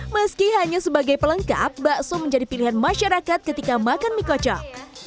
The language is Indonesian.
meski hanya sebagai pelengkap bakso menjadi pilihan masyarakat ketika makan mie kocok